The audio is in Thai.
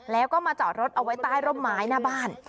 แล้วก็มาจอดรถเอาไว้ใต้ร่มไม้หน้าบ้าน